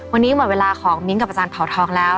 วันนี้หมดเวลาของมิ้งกับอาจารย์เผาทองแล้ว